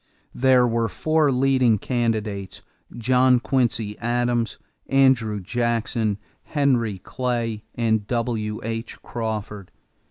There were four leading candidates, John Quincy Adams, Andrew Jackson, Henry Clay, and W.H. Crawford.